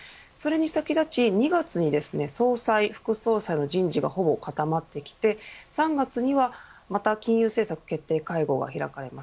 それに先立ち２月に総裁、副総裁の人事がほぼ固まってきて３月には金融経営決定会合が開かれます。